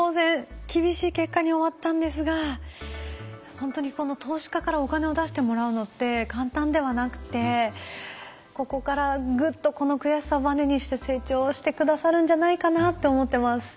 ほんとにこの投資家からお金を出してもらうのって簡単ではなくてここからグッとこの悔しさをバネにして成長して下さるんじゃないかなって思ってます。